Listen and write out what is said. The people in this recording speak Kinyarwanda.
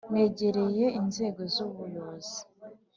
negereye inzego z ubuyobozi